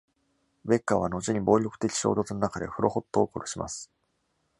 ベッカーは、後に暴力的衝突の中で Hulohot を殺します。